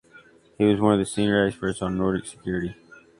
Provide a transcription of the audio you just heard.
He was one of the senior experts on Nordic security.